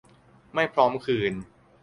ไม่พร้อมคืน